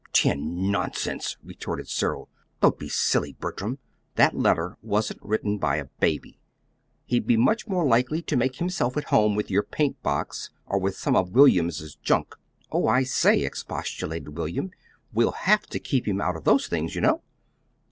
"Tin nonsense!" retorted Cyril. "Don't be silly, Bertram. That letter wasn't written by a baby. He'd be much more likely to make himself at home with your paint box, or with some of William's junk." "Oh, I say," expostulated William, "we'll HAVE to keep him out of those things, you know."